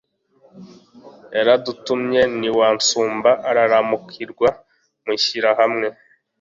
Yaradutumye ntiwansumba Iraramukirwa Mushyira-hamwe